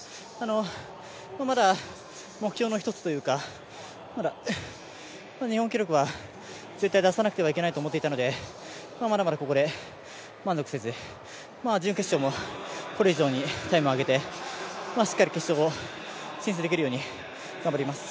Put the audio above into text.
まだ目標の一つというかまだ日本記録は絶対出さなくてはいけないと思っていたのでまだまだここで満足せず、準決勝もこれ以上にタイム上げてしっかり決勝進出できるように頑張ります。